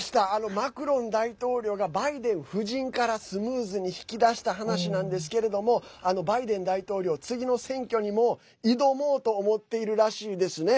マクロン大統領がバイデン夫人からスムーズに引き出した話なんですけれどもバイデン大統領、次の選挙にも挑もうと思っているらしいですね。